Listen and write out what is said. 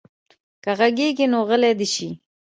که غږېږي نو غلی دې شي.